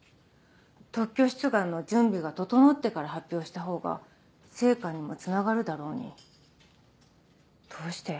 特許出願の準備が整ってから発表した方が成果にもつながるだろうにどうして？